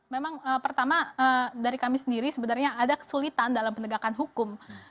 memang pertama dari kami sendiri sebenarnya ada kesulitan dalam penegakan hukum